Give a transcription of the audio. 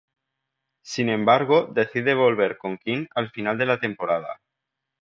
Sin embargo, decide volver con Kim al final de la temporada.